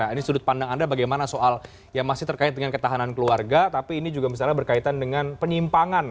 ini sudut pandang anda bagaimana soal yang masih terkait dengan ketahanan keluarga tapi ini juga misalnya berkaitan dengan penyimpangan